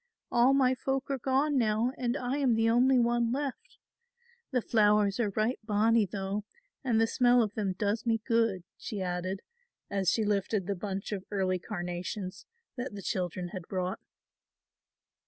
All my folk are gone now and I am the only one left. The flowers are right bonnie though and the smell of them does me good," she added, as she lifted the bunch of early carnations that the children had brought.